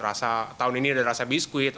rasa tahun ini ada rasa biskuit